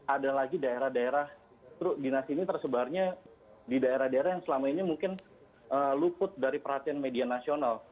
ada lagi daerah daerah dinasti ini tersebarnya di daerah daerah yang selama ini mungkin luput dari perhatian media nasional